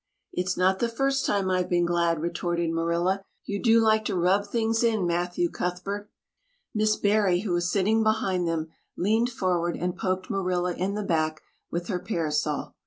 "It's not the first time I've been glad," retorted Marilla. "You do like to rub things in, Matthew Cuthbert." Miss Barry, who was sitting behind them, leaned forward and poked Marilla in the back with her parasol.